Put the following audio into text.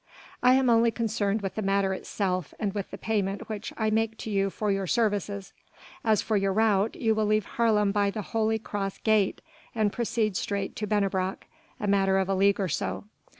"I am only concerned with the matter itself, and with the payment which I make to you for your services. As for your route, you will leave Haarlem by the Holy Cross gate and proceed straight to Bennebrock, a matter of a league or so.